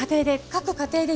家庭で。